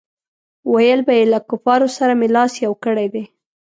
ویل به یې له کفارو سره مې لاس یو کړی دی.